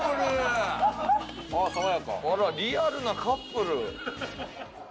あらリアルなカップル。